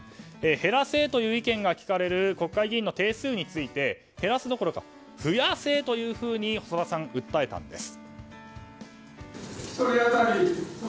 減らせという意見が聞かれる国会議員の定数について減らすどころか増やせと細田さんは訴えたんです。